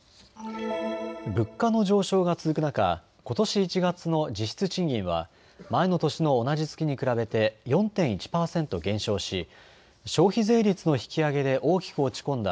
物価の上昇が続く中、ことし１月の実質賃金は前の年の同じ月に比べて４．１％減少し消費税率の引き上げで大きく落ち込んだ